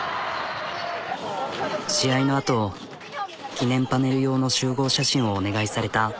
試合のあと記念パネル用の集合写真をお願いされた。